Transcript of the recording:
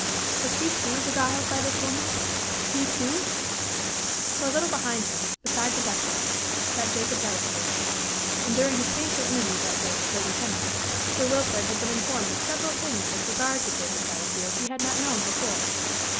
Was he, too, beguiled by this woman? he, too? For a little behind him, beside the Duchess, sat Jacob Delafield; and, during his painful interview that day with Lady Henry, Sir Wilfrid had been informed of several things with regard to Jacob Delafield he had not known before.